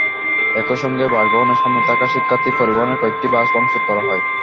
একই সঙ্গে বাসভবনের সামনে থাকা শিক্ষার্থী পরিবহনের কয়েকটি বাস ভাঙচুর করা হয়।